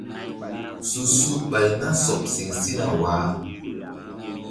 Su su ɓay na sɔɓ siŋ sina waah.